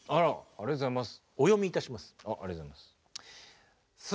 ありがとうございます。